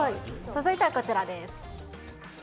続いてはこちらです。